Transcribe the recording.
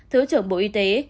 thứ trưởng bộ y tế